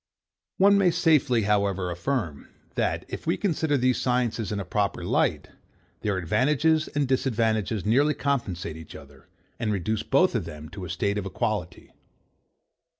One may safely, however, affirm, that, if we consider these sciences in a proper light, their advantages and disadvantages nearly compensate each other, and reduce both of them to a state of equality.